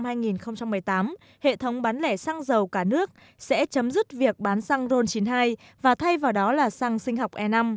bắt đầu từ ngày một tháng một năm hai nghìn một mươi tám hệ thống bán lẻ xăng dầu cả nước sẽ chấm dứt việc bán xăng ron chín mươi hai và thay vào đó là xăng sinh học e năm